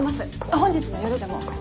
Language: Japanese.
あっ本日の夜でも。